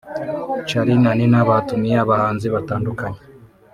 Charly na Nina batumiye abahanzi batandukanye